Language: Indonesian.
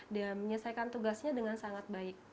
dan menyelesaikan tugasnya dengan sangat baik